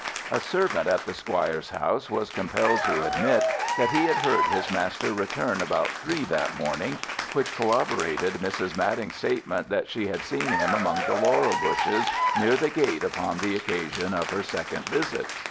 A servant at the squire's house was compelled to admit that he had heard his master return about three that morning, which corroborated Mrs. Madding's statement that she had seen him among the laurel bushes near the gate upon the occasion of her second visit.